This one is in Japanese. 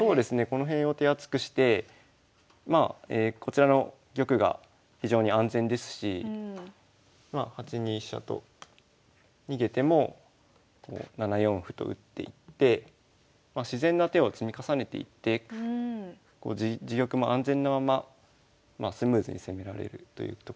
この辺を手厚くしてこちらの玉が非常に安全ですし８二飛車と逃げても７四歩と打っていって自然な手を積み重ねていって自玉も安全なままスムーズに攻められるというところで。